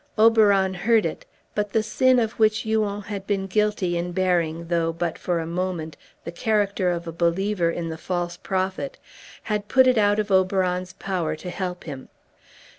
Oberon heard it; but the sin of which Huon had been guilty in bearing, though but for a moment, the character of a believer in the false prophet, had put it out of Oberon's power to help him.